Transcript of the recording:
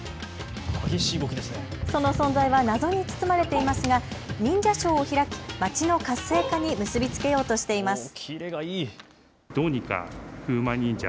その存在は謎に包まれていますが忍者ショーを開き町の活性化に結び付けようとしています。